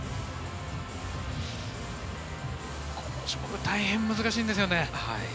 この種目、大変難しいんですよね。